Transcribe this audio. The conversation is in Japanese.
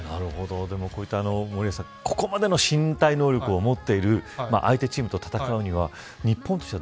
こういった、ここまでの身体能力を持っている相手チームと戦うには日本としては